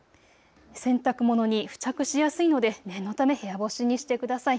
洗濯物に付着しやすいので念のため部屋干しにしてください。